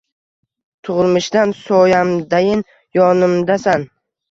Tug’ilmishdan soyamdayin yonimdasan